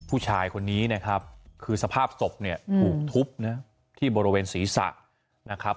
ผู้ชายคนนี้นะครับคือสภาพศพเนี่ยถูกทุบนะที่บริเวณศีรษะนะครับ